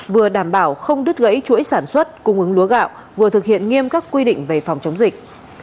vừa đảm bảo không đứt gãy chuỗi sản xuất cung ứng lúa gạo vừa thực hiện nghiêm các quy định về phòng chống dịch